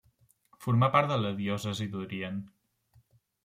Formà part de la diòcesi d'Orient.